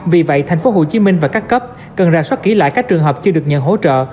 vì vậy tp hcm và các cấp cần ra soát kỹ lại các trường hợp chưa được nhận hỗ trợ